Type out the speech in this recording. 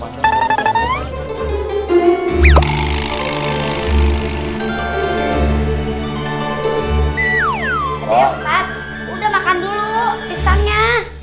pak de ustadz udah makan dulu pisangnya